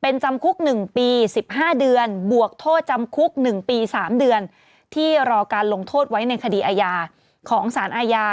เป็นจำคุก๑ปี๑๕เดือนบวกโทษจำคุก๑ปี๓เดือนที่รอการลงโทษไว้ในคดีอาญาของสารอาญา